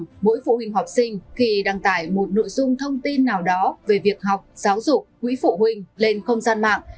nếu mỗi phụ huynh học sinh đang tải một nội dung thông tin nào đó về việc học giáo dục quỹ phụ huynh lên không gian mạng